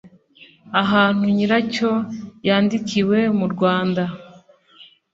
ahantu nyiracyo yandikiwe mu rwanda